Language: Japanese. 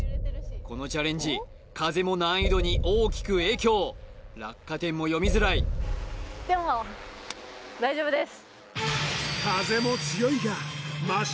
このチャレンジ風も難易度に大きく影響落下点も読みづらいでも大丈夫です風も強いが眞嶋